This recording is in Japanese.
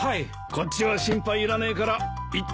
こっちは心配いらねえから行ってこい！